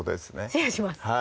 シェアします